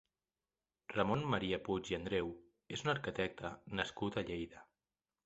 Ramon Maria Puig i Andreu és un arquitecte nascut a Lleida.